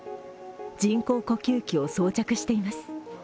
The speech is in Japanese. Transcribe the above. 人工呼吸器を装着しています。